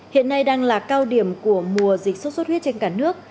hiện nay đang là cao điểm của mùa dịch sốt xuất huyết trên cả nước